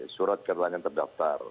surat keterangan terdaftar